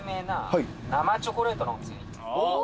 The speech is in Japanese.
お！